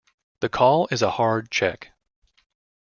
The call is a hard "check".